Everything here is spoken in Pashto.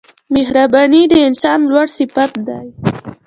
• مهرباني د انسان لوړ صفت دی.